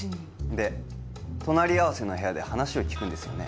で隣り合わせの部屋で話を聞くんですよね？